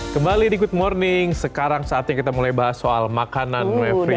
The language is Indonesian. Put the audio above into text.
kembali di good morning sekarang saatnya kita mulai bahas soal makanan mevri